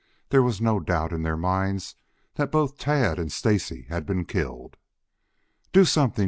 There was no doubt in their minds that both Tad and Stacy had been killed. "Do something!